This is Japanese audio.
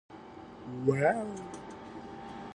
期間限定アイスクリーム